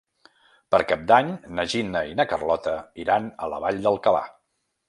Per Cap d'Any na Gina i na Carlota iran a la Vall d'Alcalà.